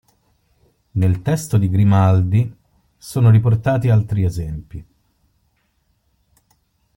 Nel testo di Grimaldi sono riportati altri esempi.